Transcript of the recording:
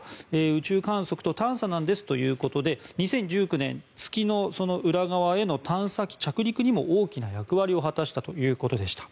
宇宙観測と探査なんですということで２０１９年月の裏側への探査機着陸にも大きな役割を果たしたということでした。